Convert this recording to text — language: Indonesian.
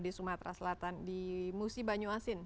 di sumatera selatan di musi banyu asin